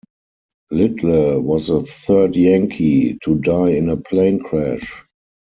Lidle was the third Yankee to die in a plane crash.